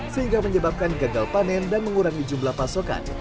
sehingga menyebabkan gagal panen dan mengurangi jumlah pasokan